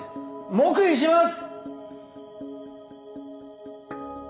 黙秘します。